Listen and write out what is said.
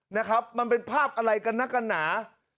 นะครับมันเป็นภาพอะไรกันนะกันหนา